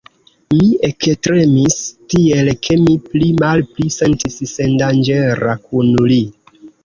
Mi ektremis tiel, ke mi pli malpli sentis sendanĝera kun li.